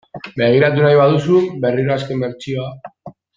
Begiratu nahi baduzu berriro azken bertsioa .